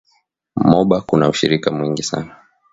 Moba kuna ushirika mwingi sana